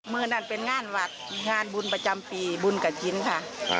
นั่นเป็นงานวัดงานบุญประจำปีบุญกับชิ้นค่ะ